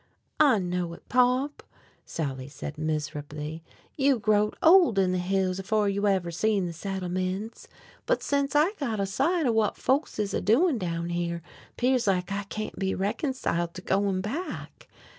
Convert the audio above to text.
"I know it, Pop," Sally said miserably. "You growed old in the hills afore you ever seen the Settlements. But sence I got a sight of whut folks is a doin' down here, 'pears like I can't be reconciled to goin' back.